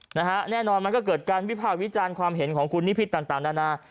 แน่นอนมันก็เกิดการวิภาควิจารณ์ความเห็นของคุณนิพิษต่างนานา